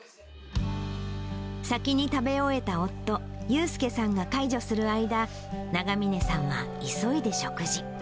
先に食べ終えた夫、雄介さんが介助する間、永峰さんは急いで食事。